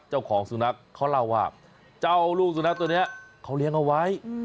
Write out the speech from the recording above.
เจ้าของสุนัขเขาเล่าว่าเจ้าลูกสุนัขตัวนี้เขาเลี้ยงเอาไว้